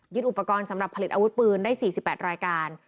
อุปกรณ์สำหรับผลิตอาวุธปืนได้๔๘รายการ